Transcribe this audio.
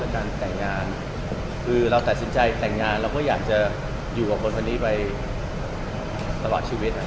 แล้วก็การแต่งงานคือเราตัดสินใจแต่งงานแล้วก็อยากจะอยู่กับคนพวกนี้ไปตลอดชีวิตนะครับ